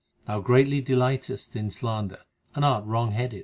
Thou greatly delight est in slander, and art wrong headed.